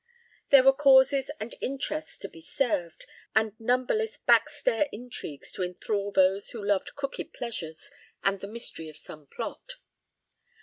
There were causes and interests to be served, and numberless back stair intrigues to enthrall those who loved crooked pleasures and the mystery of some plot.